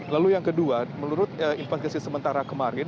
lalu yang kedua menurut investigasi sementara kemarin